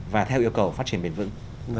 và theo yêu cầu phát triển bền vững